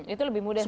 itu lebih mudah